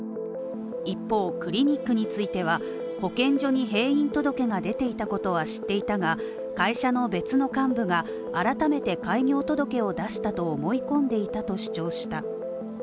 一方、クリニックについては保健所に閉院届が出ていたことは知っていたが会社の別の幹部が改めて開業届を出したと思い込んでいたと主張した。